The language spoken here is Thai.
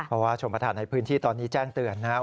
ภาวะชมภาษาในพื้นที่ตอนนี้แจ้งเตือนนะครับ